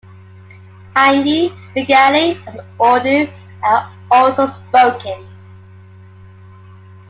Hindi, Bengali, and Urdu are also spoken.